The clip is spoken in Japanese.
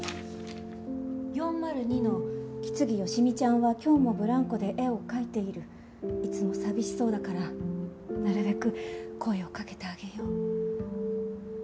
「４０２の木次好美ちゃんは今日もブランコで絵を描いている」「いつも寂しそうだからなるべく声をかけてあげよう」